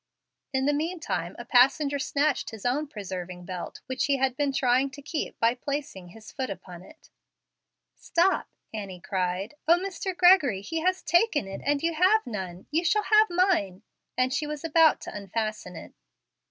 In the meantime a passenger snatched his own preserving belt, which he had been trying to keep by placing his foot upon it. "Stop," Annie cried. "O Mr. Gregory! he has taken it and you have none. You shall have mine;" and she was about to unfasten it.